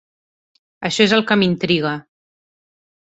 Això és el que m"intriga.